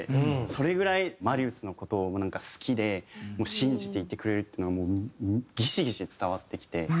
それぐらいマリウスの事を好きで信じていてくれるっていうのがギシギシ伝わってきて。